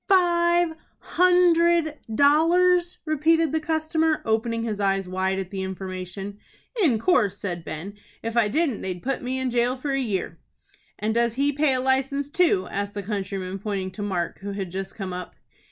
"Five hundred dollars!" repeated the customer, opening his eyes wide at the information. "In course," said Ben. "If I didn't they'd put me in jail for a year." "And does he pay a license too?" asked the countryman, pointing to Mark, who had just come up.